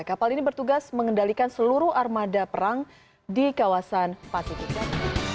kapal ini bertugas mengendalikan seluruh armada perang di kawasan patiki